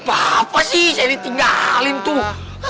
apa apa sih saya ditinggalin tuh